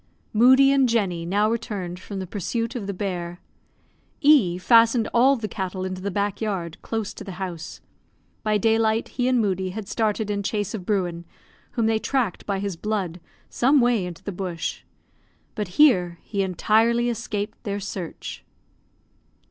Moodie and Jenny now returned from the pursuit of the bear. E fastened all the cattle into the back yard, close to the house. By daylight he and Moodie had started in chase of Bruin, whom they tracked by his blood some way into the bush; but here he entirely escaped their search.